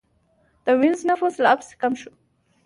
د وینز نفوس لا پسې کم شو